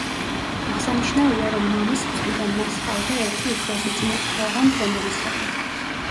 აღსანიშნავია, რომ მამის მხრიდან მას ჰყავდა ერთი უფროსი ძმა, თოღონ თემურის სახით.